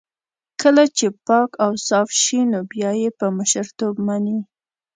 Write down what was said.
کله چې پاک اوصاف شي نو بيا يې په مشرتوب مني.